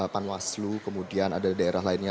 panwaslu kemudian ada di daerah lainnya